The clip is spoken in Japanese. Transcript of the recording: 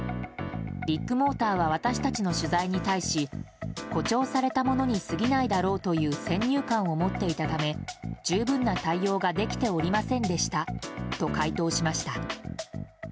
ビッグモーターは私たちの取材に対し誇張されたものにすぎないだろうという先入観を持っていたため十分な対応ができておりませんでしたと回答しました。